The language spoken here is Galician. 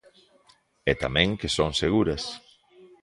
E tamén que son seguras.